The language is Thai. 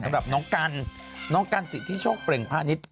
สำหรับน้องกันน้องกันสิทธิโชคเปล่งพาณิชย